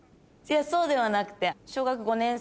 いやそうではなくて。